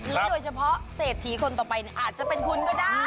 โดยเฉพาะเศรษฐีคนต่อไปอาจจะเป็นคุณก็ได้